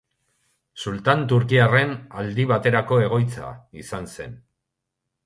Sultan turkiarren aldi baterako egoitza izan zen.